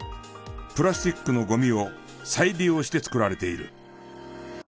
プラスチックのゴミを再利用して作られている。